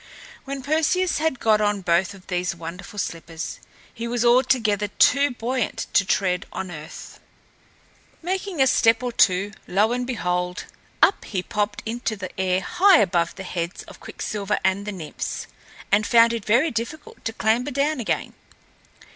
When Perseus had got on both of these wonderful slippers, he was altogether too buoyant to tread on earth. Making a step or two, lo and behold! upward he popped into the air high above the heads of Quicksilver and the Nymphs, and found it very difficult to clamber down again.